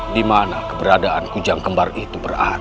dimana keberadaan kujang kembar itu berada